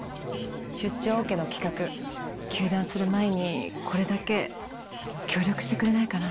出張オケの企画休団する前にこれだけ協力してくれないかな？